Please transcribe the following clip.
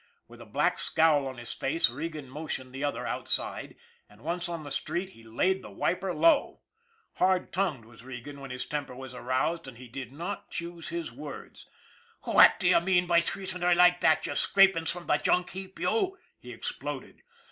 With a black scowl on his face, Regan motioned the other outside, and, once on the street, he laid the wiper low. Hard tongued was Regan when his temper was aroused and he did not choose his words. " What d'ye mean by treating her like that, you scrapings from the junk heap, you!" he exploded.